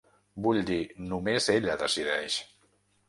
Vull dir; només ella decideix.